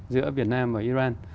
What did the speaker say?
giữa việt nam và iran